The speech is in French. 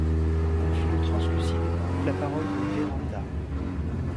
Un flot translucide coupe la parole de Vérandà.